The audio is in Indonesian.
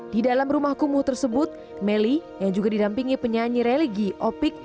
di dalam rumah kumuh tersebut melly yang juga didampingi penyanyi religi opik